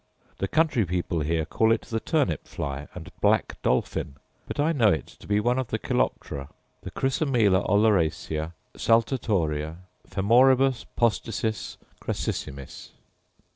The country people here call it the turnip fly and black dolphin; but I know it to be one of the coleoptera; the 'chrysomela oleracea, saltatoria, femoribus posficis crassissimis.